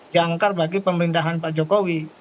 jangkar bagi pemerintahan pak jokowi